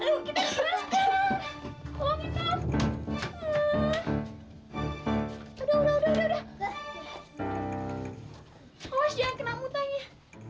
awas jangan kena mutanya